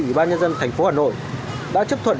ủy ban nhân dân thành phố hà nội đã chấp thuận